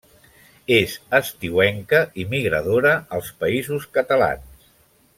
És estiuenca i migradora als Països Catalans.